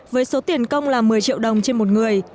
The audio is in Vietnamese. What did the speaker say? với số tiền công là một mươi triệu đồng trên một người